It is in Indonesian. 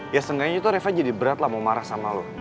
ya setidaknya tuh reva jadi berat lah mau marah sama lu